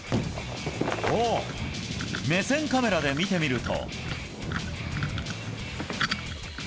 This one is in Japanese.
目線カメラで見てみると。